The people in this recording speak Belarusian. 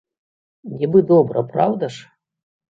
Нібы добра, праўда ж?